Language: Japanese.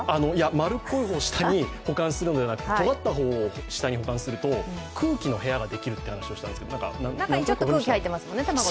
丸っこい方を下に保管するのではなくとがった方を下に保管すると空気の部屋ができるという話をしたんですけど中にちょっと空気入ってますもんね